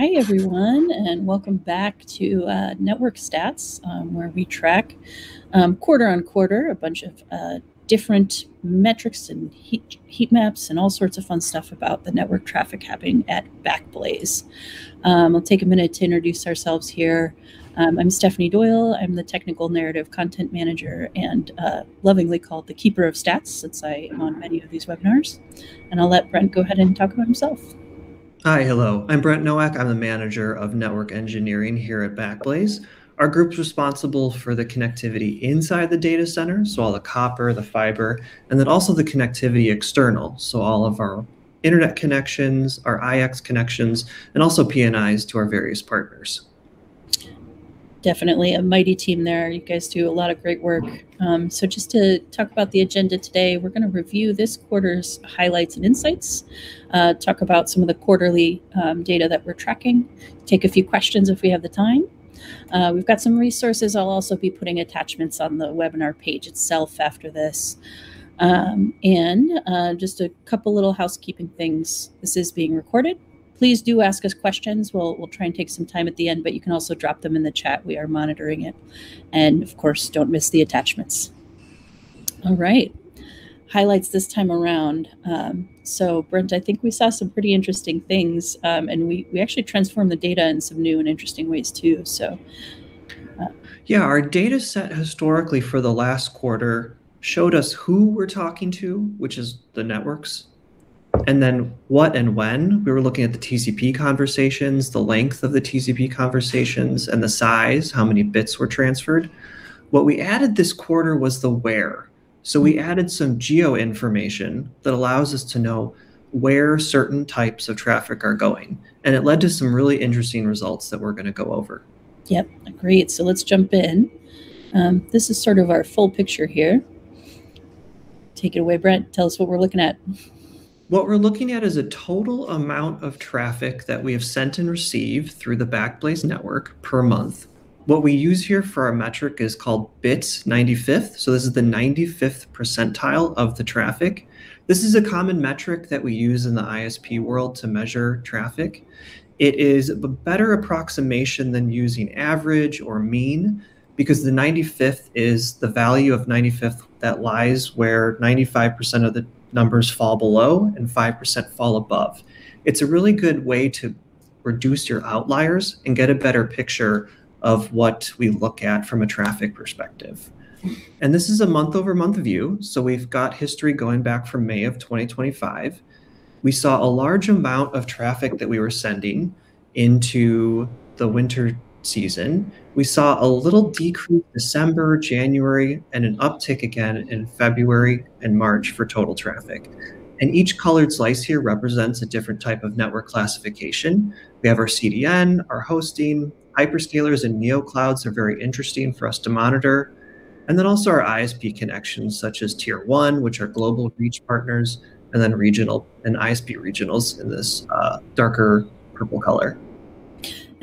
Hi, everyone, welcome back to Network Stats, where we track quarter on quarter a bunch of different metrics and heat maps and all sorts of fun stuff about the network traffic happening at Backblaze. I'll take a minute to introduce ourselves here. I'm Stephanie Doyle. I'm the Technical Narrative Content Manager and lovingly called the Keeper of Stats since I am on many of these webinars. I'll let Brent go ahead and talk about himself. Hi. Hello. I'm Brent Nowak. I'm the manager of network engineering here at Backblaze. Our group's responsible for the connectivity inside the data center, so all the copper, the fiber, and then also the connectivity external, so all of our internet connections, our IX connections, and also PNIs to our various partners. Definitely a mighty team there. You guys do a lot of great work. Just to talk about the agenda today, we're gonna review this quarter's highlights and insights, talk about some of the quarterly data that we're tracking, take a few questions if we have the time. We've got some resources. I'll also be putting attachments on the webinar page itself after this. Just a couple little housekeeping things. This is being recorded. Please do ask us questions. We'll try and take some time at the end, but you can also drop them in the chat. We are monitoring it. Of course don't miss the attachments. All right. Highlights this time around. Brent, I think we saw some pretty interesting things, and we actually transformed the data in some new and interesting ways too. Yeah, our data set historically for the last quarter showed us who we're talking to, which is the networks, and then what and when. We were looking at the TCP conversations, the length of the TCP conversations, and the size, how many bits were transferred. What we added this quarter was the where. We added some geo information that allows us to know where certain types of traffic are going, and it led to some really interesting results that we're gonna go over. Yep. Agreed. Let's jump in. This is sort of our full picture here. Take it away, Brent. Tell us what we're looking at. What we're looking at is a total amount of traffic that we have sent and received through the Backblaze network per month. What we use here for our metric is called bits 95th, so this is the 95th percentile of the traffic. This is a common metric that we use in the ISP world to measure traffic. It is a better approximation than using average or mean because the 95th is the value of 95th that lies where 95% of the numbers fall below and 5% fall above. It's a really good way to reduce your outliers and get a better picture of what we look at from a traffic perspective. This is a month-over-month view, so we've got history going back from May of 2025. We saw a large amount of traffic that we were sending into the winter season. We saw a little decrease December, January, and an uptick again in February and March for total traffic. Each colored slice here represents a different type of network classification. We have our CDN, our hosting. Hyperscalers and Neoclouds are very interesting for us to monitor. Then also our ISP connections such as Tier 1, which are global reach partners, and then regional, and ISP regionals in this darker purple color.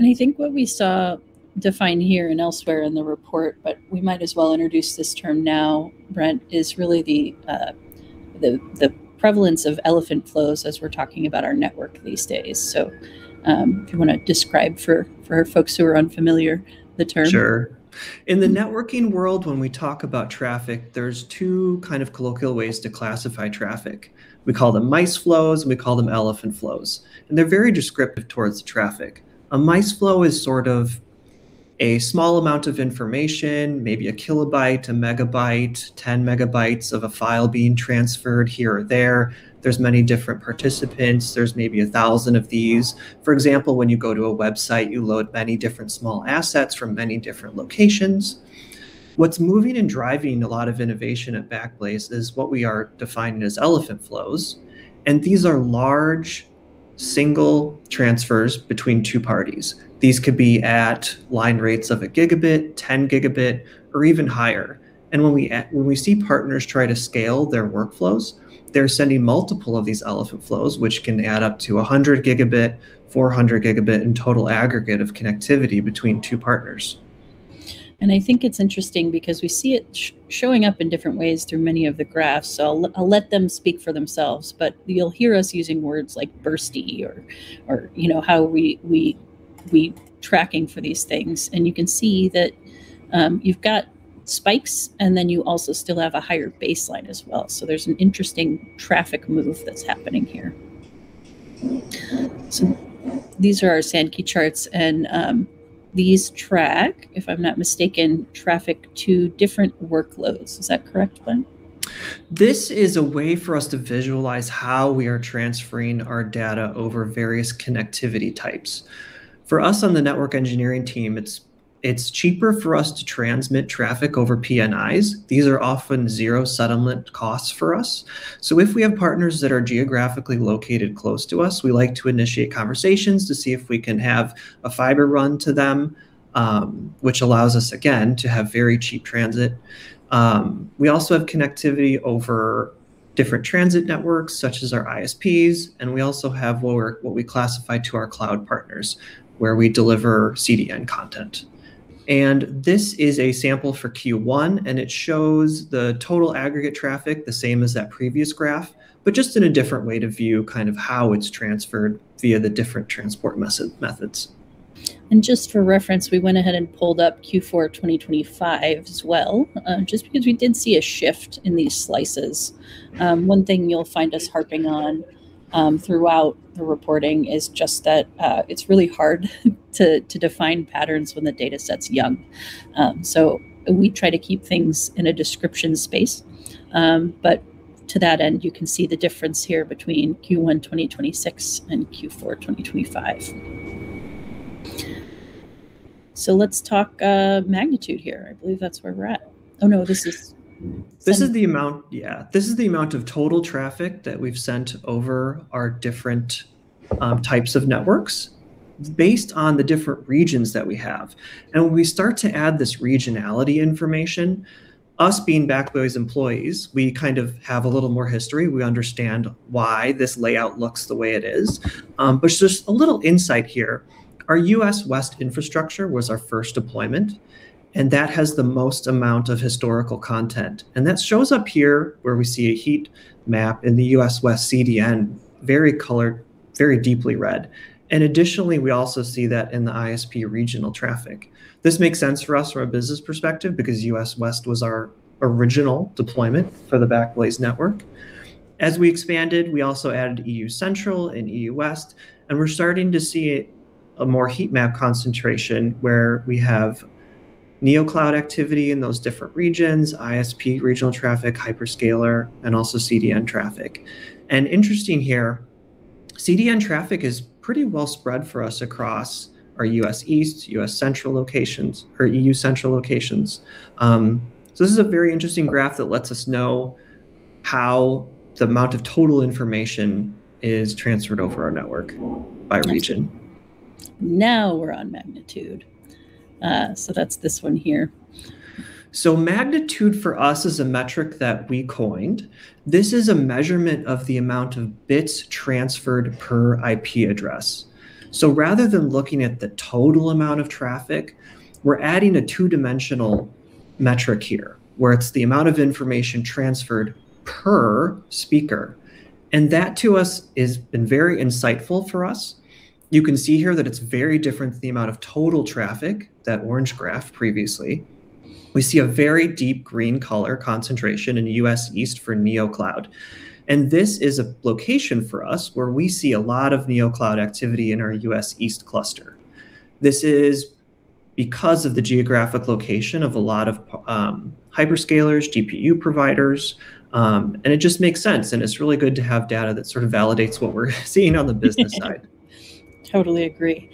I think what we saw defined here and elsewhere in the report, but we might as well introduce this term now, Brent, is really the prevalence of elephant flows as we're talking about our network these days. If you wanna describe for folks who are unfamiliar the term. Sure. In the networking world when we talk about traffic, there's two kinds of colloquial ways to classify traffic. We call them mice flows, and we call them elephant flows, and they're very descriptive towards the traffic. A mice flow is sort of a small amount of information, maybe a kilobyte, a megabyte, 10 megabyte of a file being transferred here or there. There's many different participants. There's maybe 1,000 of these. For example, when you go to a website, you load many different small assets from many different locations. What's moving and driving a lot of innovation at Backblaze is what we are defining as elephant flows, and these are large, single transfers between two parties. These could be at line rates of a gigabit, 10 gigabit, or even higher. When we see partners try to scale their workflows, they're sending multiple of these elephant flows, which can add up to 100 gigabit, 400 gigabit in total aggregate of connectivity between two partners. I think it's interesting because we see it showing up in different ways through many of the graphs, so I'll let them speak for themselves, but you'll hear us using words like bursty or, you know, how we tracking for these things. You can see that you've got spikes, and then you also still have a higher baseline as well. There's an interesting traffic move that's happening here. These are our Sankey charts and these track, if I'm not mistaken, traffic to different workloads. Is that correct, Brent? This is a way for us to visualize how we are transferring our data over various connectivity types. For us on the network engineering team, it's cheaper for us to transmit traffic over PNIs. These are often zero settlement costs for us. If we have partners that are geographically located close to us, we like to initiate conversations to see if we can have a fiber run to them, which allows us, again, to have very cheap transit. We also have connectivity over different transit networks such as our ISPs, and we also have what we classify to our cloud partners, where we deliver CDN content. This is a sample for Q1, and it shows the total aggregate traffic the same as that previous graph but just in a different way to view kind of how it's transferred via the different transport methods. Just for reference, we went ahead and pulled up Q4 2025 as well, just because we did see a shift in these slices. One thing you'll find us harping on throughout the reporting is just that it's really hard to define patterns when the data set's young. We try to keep things in a description space. To that end, you can see the difference here between Q1 2026 and Q4 2025. Let's talk magnitude here. I believe that's where we're at. This is the amount, yeah, this is the amount of total traffic that we've sent over our different types of networks based on the different regions that we have. When we start to add this regionality information, us being Backblaze employees, we kind of have a little more history. We understand why this layout looks the way it is. Just a little insight here. Our US West infrastructure was our first deployment, that has the most amount of historical content. That shows up here, where we see a heat map in the US West CDN, very colored, very deeply red. Additionally, we also see that in the ISP regional traffic. This makes sense for us from a business perspective because US West was our original deployment for the Backblaze network. As we expanded, we also added EU Central and EU West, and we're starting to see a more heat map concentration where we have NeoCloud activity in those different regions, ISP regional traffic, hyperscaler, and also CDN traffic. Interesting here, CDN traffic is pretty well spread for us across our US East, US Central locations, or EU Central locations. This is a very interesting graph that lets us know how the amount of total information is transferred over our network by region. Now we're on magnitude. That's this one here. Magnitude for us is a metric that we coined. This is a measurement of the amount of bits transferred per IP address. Rather than looking at the total amount of traffic, we're adding a two-dimensional metric here, where it's the amount of information transferred per speaker. That, to us, has been very insightful for us. You can see here that it's very different, the amount of total traffic, that orange graph previously. We see a very deep green color concentration in U.S. East for NeoCloud. This is a location for us where we see a lot of NeoCloud activity in our U.S. East cluster. This is because of the geographic location of a lot of hyperscalers, GPU providers, and it just makes sense, and it's really good to have data that sort of validates what we're seeing on the business side. Totally agree.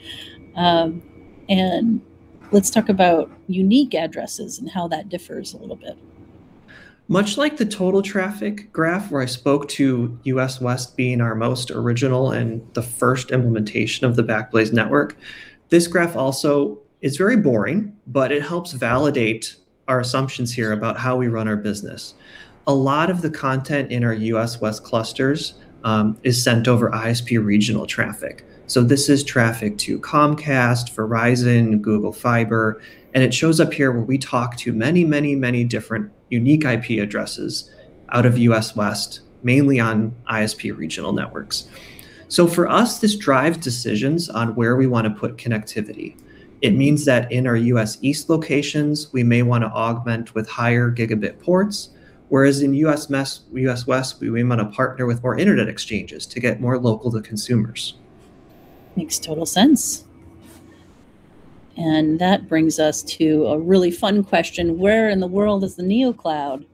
Let's talk about unique addresses and how that differs a little bit. Much like the total traffic graph, where I spoke to U.S. West being our most original and the first implementation of the Backblaze Network, this graph also is very boring, but it helps validate our assumptions here about how we run our business. A lot of the content in our U.S. West clusters is sent over ISP regional traffic. This is traffic to Comcast, Verizon, Google Fiber, and it shows up here where we talk to many, many, many different unique IP addresses out of U.S. West, mainly on ISP regional networks. For us, this drives decisions on where we want to put connectivity. It means that in our U.S. East locations, we may want to augment with higher gigabit ports, whereas in U.S. West, we want to partner with more internet exchanges to get more local to consumers. Makes total sense. That brings us to a really fun question. Where in the world is the neocloud?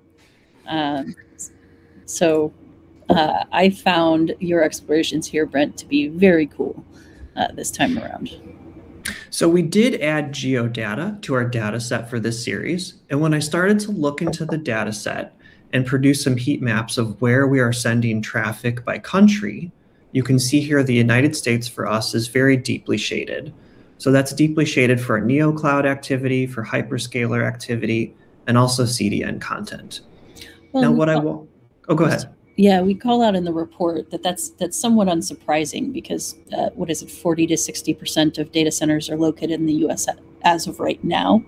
I found your explorations here, Brent, to be very cool this time around. We did add geo data to our data set for this series, and when I started to look into the data set and produce some heat maps of where we are sending traffic by country, you can see here the U.S. for us is very deeply shaded. That's deeply shaded for our neocloud activity, for hyperscaler activity, and also CDN content. Well, we call- Oh, go ahead. Yeah, we call out in the report that that's somewhat unsurprising because, what is it, 40%-60% of data centers are located in the U.S. as of right now,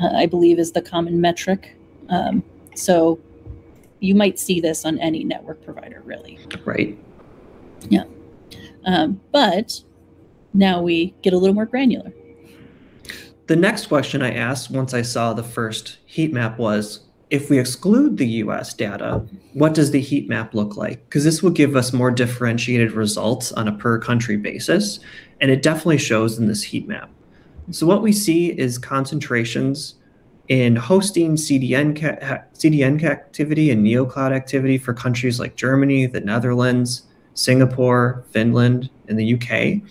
I believe is the common metric. You might see this on any network provider, really. Right. Yeah. Now we get a little more granular. The next question I asked once I saw the first heat map was, if we exclude the U.S. data, what does the heat map look like? 'Cause this will give us more differentiated results on a per-country basis, and it definitely shows in this heat map. What we see is concentrations in hosting CDN activity and NeoCloud activity for countries like Germany, the Netherlands, Singapore, Finland, and the U.K.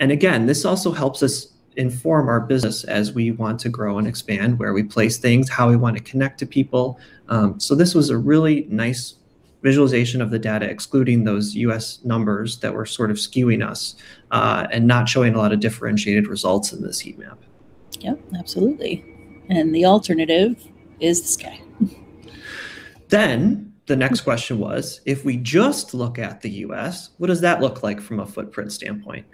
Again, this also helps us inform our business as we want to grow and expand, where we place things, how we want to connect to people. This was a really nice visualization of the data, excluding those U.S. numbers that were sort of skewing us and not showing a lot of differentiated results in this heat map. Yep, absolutely. The alternative is this guy. The next question was, if we just look at the U.S., what does that look like from a footprint standpoint?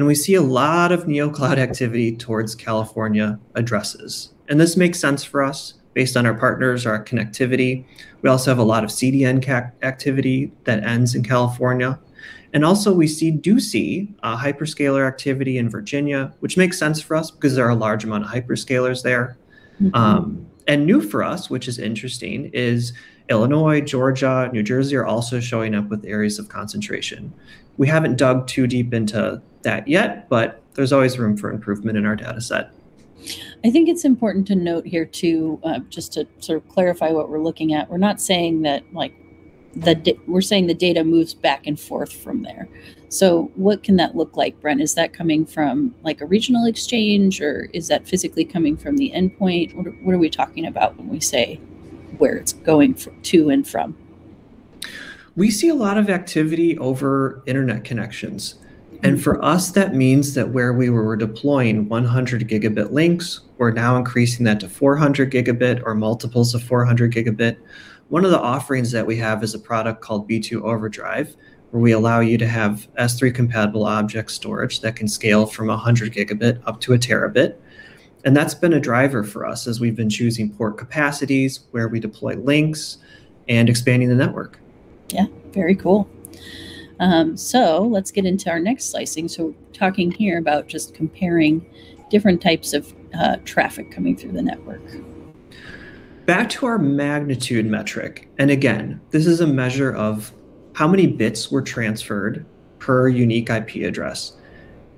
We see a lot of neocloud activity towards California addresses, and this makes sense for us based on our partners, our connectivity. We also have a lot of CDN activity that ends in California. Also, we do see hyperscaler activity in Virginia, which makes sense for us because there are a large amount of hyperscalers there. New for us, which is interesting, is Illinois, Georgia, New Jersey are also showing up with areas of concentration. We haven't dug too deep into that yet, but there's always room for improvement in our data set. I think it's important to note here, too, just to sort of clarify what we're looking at, we're not saying that, like, we're saying the data moves back and forth from there. What can that look like, Brent? Is that coming from, like, a regional exchange, or is that physically coming from the endpoint? What are, what are we talking about when we say where it's going to and from? We see a lot of activity over internet connections. Mm-hmm. For us, that means that where we were deploying 100 gigabit links, we're now increasing that to 400 gigabit or multiples of 400 gigabit. One of the offerings that we have is a product called B2 Overdrive, where we allow you to have S3-compatible object storage that can scale from 100 gigabit up to 1 terabit, that's been a driver for us as we've been choosing port capacities, where we deploy links, and expanding the network. Yeah. Very cool. Let's get into our next slicing, talking here about just comparing different types of traffic coming through the network. Back to our magnitude metric, again, this is a measure of how many bits were transferred per unique IP address,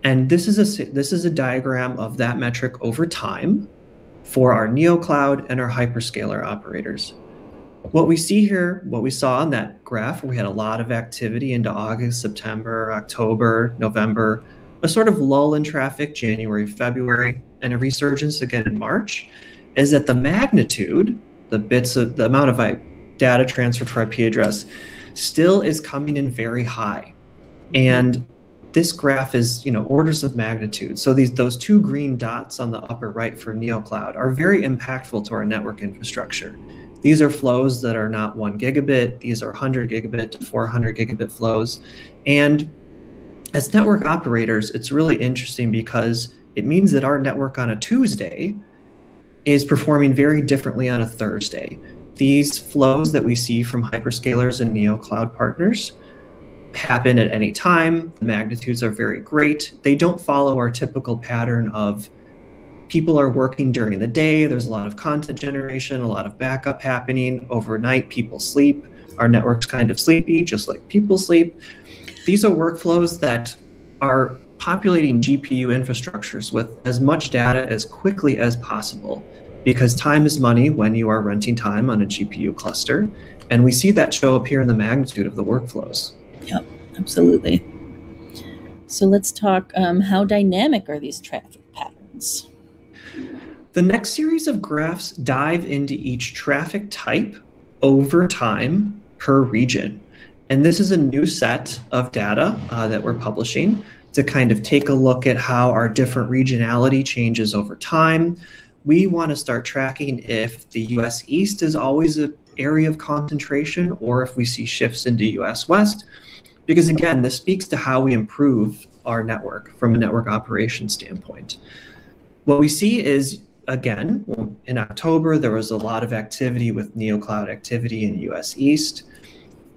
this is a diagram of that metric over time for our Neocloud and our hyperscaler operators. What we see here, what we saw on that graph, we had a lot of activity into August, September, October, November, a sort of lull in traffic January, February, and a resurgence again in March, is that the magnitude, the bits of, the amount of data transferred for IP address, still is coming in very high. This graph is, you know, orders of magnitude, so those two green dots on the upper right for Neocloud are very impactful to our network infrastructure. These are flows that are not 1 gigabit. These are 100 gigabit to 400 gigabit flows. As network operators, it's really interesting because it means that our network on a Tuesday is performing very differently on a Thursday. These flows that we see from hyperscalers and neocloud partners happen at any time. The magnitudes are very great. They don't follow our typical pattern of people are working during the day, there's a lot of content generation, a lot of backup happening. Overnight, people sleep. Our network's kind of sleepy, just like people sleep. These are workflows that are populating GPU infrastructures with as much data as quickly as possible, because time is money when you are renting time on a GPU cluster, and we see that show up here in the magnitude of the workflows. Yep. Absolutely. Let's talk, how dynamic are these traffic patterns? The next series of graphs dive into each traffic type over time per region, this is a new set of data that we're publishing to kind of take a look at how our different regionality changes over time. We want to start tracking if the U.S. East is always a area of concentration or if we see shifts into U.S. West, again, this speaks to how we improve our network from a network operation standpoint. What we see is, again, in October, there was a lot of activity with Neo Cloud activity in U.S. East,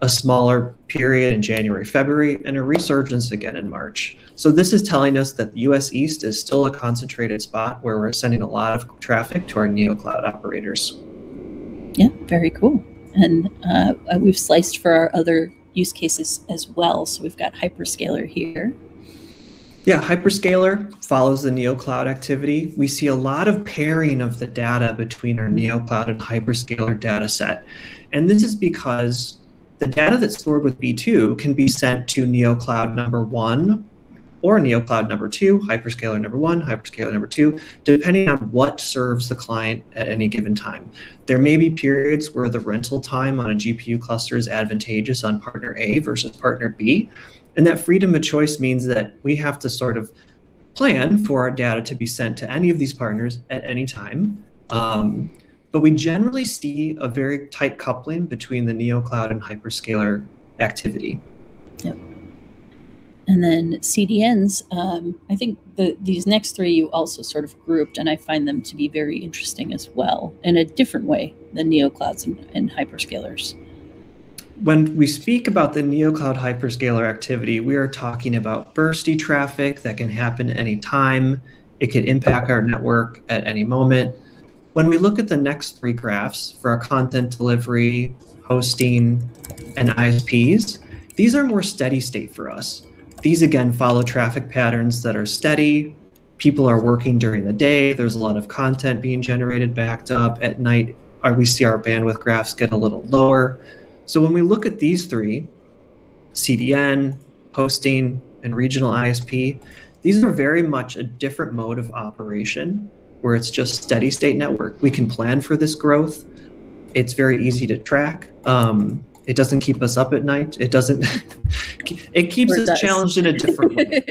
a smaller period in January, February, a resurgence again in March. This is telling us that U.S. East is still a concentrated spot where we're sending a lot of traffic to our Neo Cloud operators. Yeah. Very cool. We've sliced for our other use cases as well, so we've got hyperscaler here. Yeah. Hyperscaler follows the Neo Cloud activity. We see a lot of pairing of the data between our Neo Cloud and hyperscaler data set. This is because the data that's stored with B2 can be sent to Neo Cloud number 1 or Neo Cloud number 2, hyperscaler number 1, hyperscaler number 2, depending on what serves the client at any given time. There may be periods where the rental time on a GPU cluster is advantageous on partner A versus partner B. That freedom of choice means that we have to sort of plan for our data to be sent to any of these partners at any time. We generally see a very tight coupling between the Neo Cloud and hyperscaler activity. Yep. CDNs, I think these next three you also sort of grouped, and I find them to be very interesting as well, in a different way than neoclouds and hyperscalers. When we speak about the neocloud hyperscaler activity, we are talking about bursty traffic that can happen any time. It could impact our network at any moment. When we look at the next three graphs for our content delivery, hosting, and ISPs, these are more steady state for us. These, again, follow traffic patterns that are steady. People are working during the day. There's a lot of content being generated, backed up. At night, our, we see our bandwidth graphs get a little lower. When we look at these three, CDN, hosting, and regional ISP, these are very much a different mode of operation, where it's just steady state network. We can plan for this growth. It's very easy to track. It doesn't keep us up at night. Or does? challenged in a different way.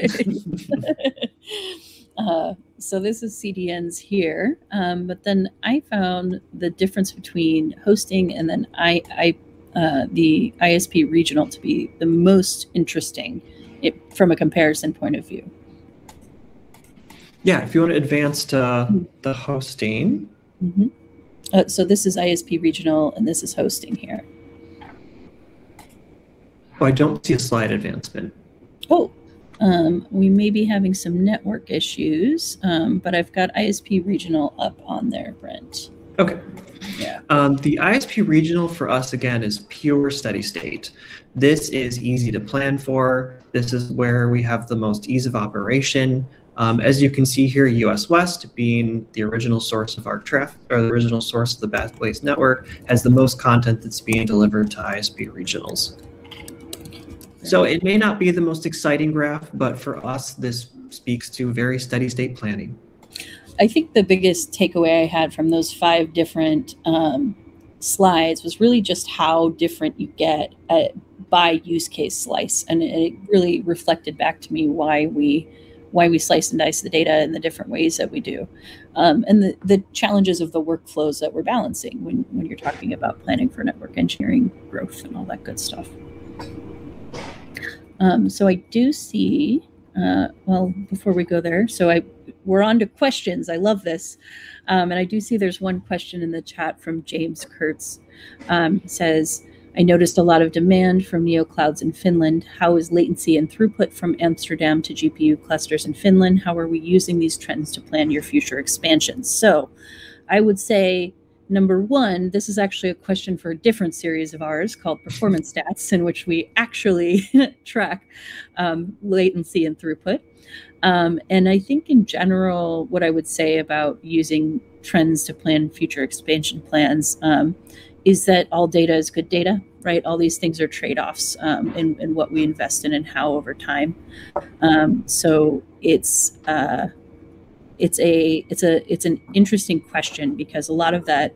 This is CDNs here. I found the difference between hosting and the ISP regional to be the most interesting, it, from a comparison point of view. Yeah. If you want to advance. Mm-hmm... the hosting. This is ISP regional, and this is hosting here. Oh, I don't see a slide advancement. We may be having some network issues. I've got ISP regional up on there, Brent. Okay. Yeah. The ISP regional for us, again, is pure steady state. This is easy to plan for. This is where we have the most ease of operation. As you can see here, U.S. West being the original source of our or the original source of the Backblaze network, has the most content that's being delivered to ISP regionals. It may not be the most exciting graph, but for us, this speaks to very steady state planning. I think the biggest takeaway I had from those five different slides was really just how different you get by use case slice, and it really reflected back to me why we slice and dice the data in the different ways that we do. The challenges of the workflows that we're balancing when you're talking about planning for network engineering growth and all that good stuff. I do see. Well, before we go there, we're onto questions. I love this. I do see there's 1 question in the chat from James Kurth. Says, "I noticed a lot of demand from neoclouds in Finland. How is latency and throughput from Amsterdam to GPU clusters in Finland? How are we using these trends to plan your future expansions?" I would say, number one, this is actually a question for a different series of ours called Performance Stats, in which we actually track latency and throughput. I think in general, what I would say about using trends to plan future expansion plans is that all data is good data, right? All these things are trade-offs in what we invest in and how over time. It's an interesting question because a lot of that,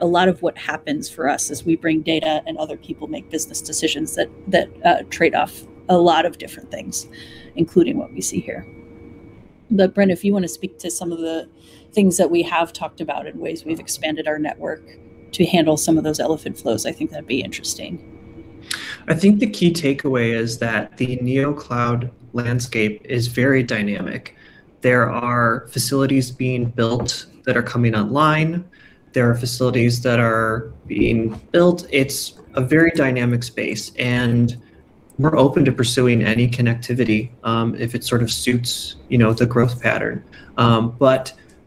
a lot of what happens for us is we bring data and other people make business decisions that trade off a lot of different things, including what we see here. Brent, if you want to speak to some of the things that we have talked about and ways we've expanded our network to handle some of those elephant flows, I think that'd be interesting. I think the key takeaway is that the neocloud landscape is very dynamic. There are facilities being built that are coming online. There are facilities that are being built. It's a very dynamic space, and we're open to pursuing any connectivity, if it sort of suits, you know, the growth pattern.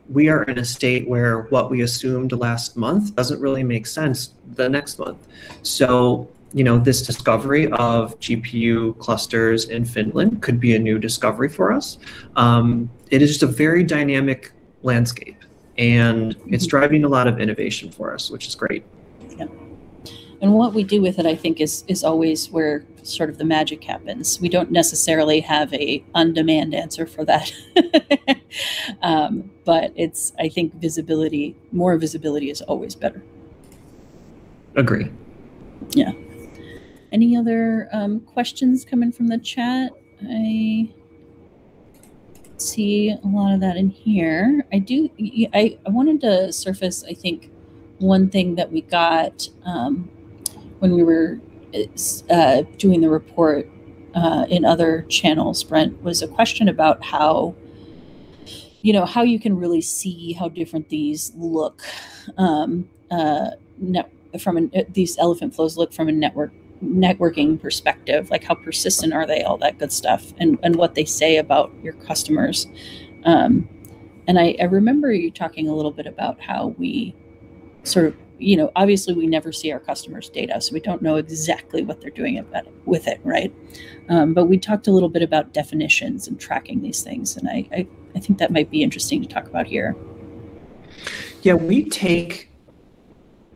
We are in a state where what we assumed last month doesn't really make sense the next month. You know, this discovery of GPU clusters in Finland could be a new discovery for us. It is just a very dynamic landscape, and it's driving a lot of innovation for us, which is great. Yeah. What we do with it, I think, is always where sort of the magic happens. We don't necessarily have a on-demand answer for that. It's, I think, visibility, more visibility is always better. Agree. Yeah. Any other questions coming from the chat? I don't see a lot of that in here. I do, I wanted to surface, I think, one thing that we got when we were doing the report in other channels, Brent, was a question about how, you know, how you can really see how different this look, these elephant flows look from a networking perspective. Like, how persistent are they, all that good stuff, and what they say about your customers. And I remember you talking a little bit about how we sort of, you know, obviously we never see our customers' data, so we don't know exactly what they're doing with it, right? We talked a little bit about definitions and tracking these things, and I think that might be interesting to talk about here. Yeah, we take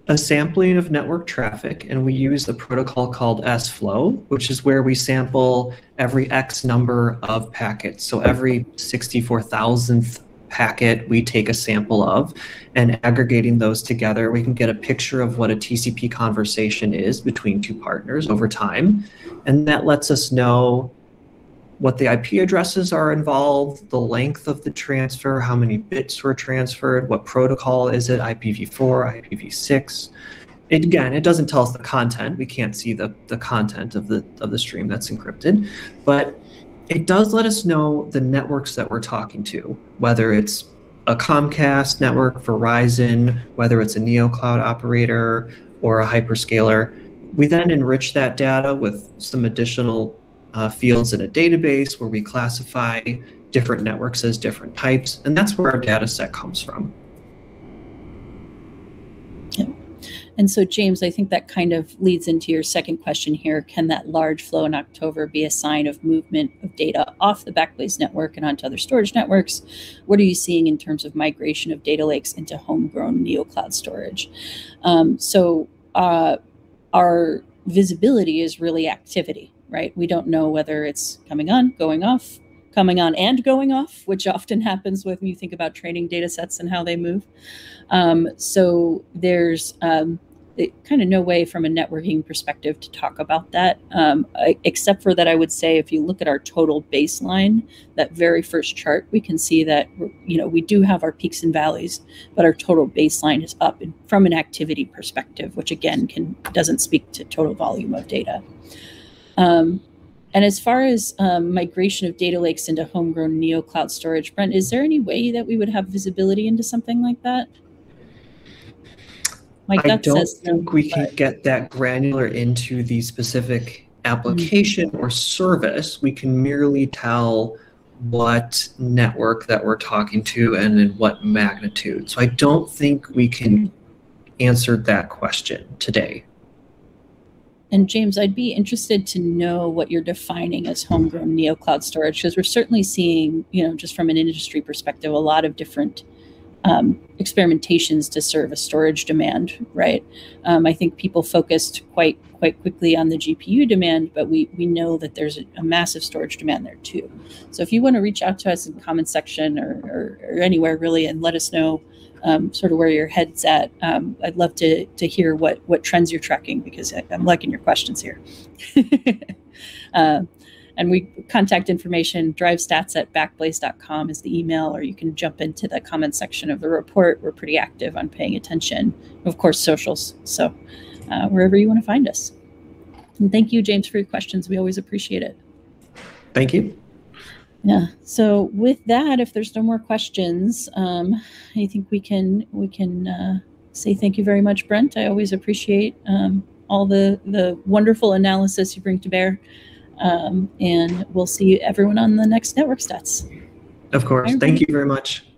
a sampling of network traffic, and we use the protocol called sFlow, which is where we sample every X number of packets. Every 64,000th packet, we take a sample of, and aggregating those together, we can get a picture of what a TCP conversation is between two partners over time, and that lets us know what the IP addresses are involved, the length of the transfer, how many bits were transferred, what protocol is it, IPv4, IPv6. Again, it doesn't tell us the content. We can't see the content of the stream that's encrypted. It does let us know the networks that we're talking to, whether it's a Comcast network, Verizon, whether it's a neocloud operator or a hyperscaler. We then enrich that data with some additional fields in a database where we classify different networks as different types. That's where our data set comes from. Yeah. James, I think that kind of leads into your second question here. Can that large flow in October be a sign of movement of data off the Backblaze network and onto other storage networks? What are you seeing in terms of migration of data lakes into homegrown neocloud storage? Our visibility is really activity, right? We don't know whether it's coming on, going off, coming on and going off, which often happens when you think about training data sets and how they move. There's kind of no way from a networking perspective to talk about that. Except for that I would say if you look at our total baseline, that very first chart, we can see that, you know, we do have our peaks and valleys, but our total baseline is up in, from an activity perspective, which again, doesn't speak to total volume of data. As far as, migration of data lakes into homegrown neocloud storage, Brent, is there any way that we would have visibility into something like that? Like, that says no. I don't think we can get that granular into the specific application or service. We can merely tell what network that we're talking to and in what Magnitude. I don't think we can answer that question today. James, I'd be interested to know what you're defining as homegrown neo cloud storage, because we're certainly seeing, you know, just from an industry perspective, a lot of different experimentations to serve a storage demand, right? I think people focused quite quickly on the GPU demand, but we know that there's a massive storage demand there too. If you want to reach out to us in the comment section or anywhere really and let us know, sort of where your head's at, I'd love to hear what trends you're tracking, because I'm liking your questions here. Contact information, drivestats@backblaze.com is the email, or you can jump into the comment section of the report. We're pretty active on paying attention. Of course, socials. Wherever you want to find us. Thank you, James, for your questions. We always appreciate it. Thank you. Yeah. With that, if there's no more questions, I think we can say thank you very much, Brent. I always appreciate all the wonderful analysis you bring to bear. We'll see everyone on the next Network Stats. Of course. Thank you very much. Bye.